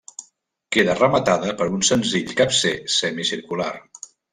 Queda rematada per un senzill capcer semicircular.